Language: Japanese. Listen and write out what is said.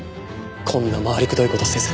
こんな回りくどい事せず。